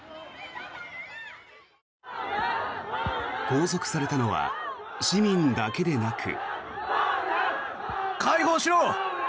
拘束されたのは市民だけでなく。